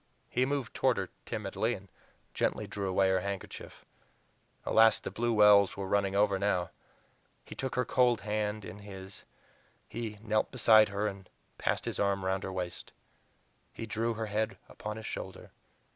He moved toward her timidly, and gently drew away her handkerchief. Alas! the blue wells were running over now. He took her cold hands in his; he knelt beside her and passed his arm around her waist. He drew her head upon his shoulder.